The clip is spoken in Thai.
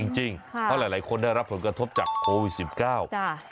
จริงเพราะหลายคนได้รับผลกระทบจากโควิด๑๙